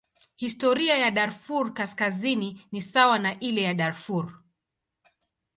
Historia ya Darfur Kaskazini ni sawa na ile ya Darfur.